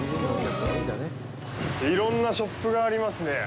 いろんなショップがありますね。